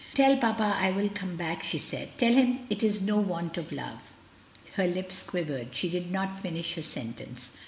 "Tell papa I will come back," she said; "tell him it is no want of love." Her lips quivered; she did not finish her sentence.